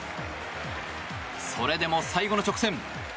それでも最後の直線。